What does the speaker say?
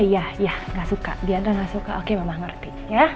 iya iya gak suka diandra gak suka oke mama ngerti